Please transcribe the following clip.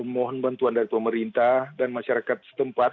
mohon bantuan dari pemerintah dan masyarakat setempat